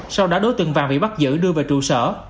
sau đó đối tượng vàng bị bắt giữ đưa về trụ sở